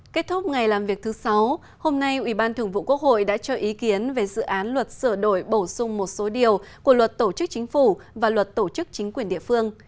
kết thúc ngày làm việc thứ sáu hôm nay ủy ban thường vụ quốc hội đã cho ý kiến về dự án luật sửa đổi bổ sung một số điều của luật tổ chức chính phủ và luật tổ chức chính quyền địa phương